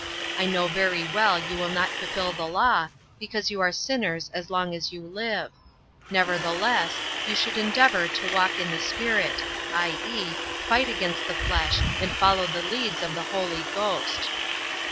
I know very well you will not fulfill the Law, because you are sinners as long as you live. Nevertheless, you should endeavor to walk in the spirit," i.e., fight against the flesh and follow the lead of the Holy Ghost.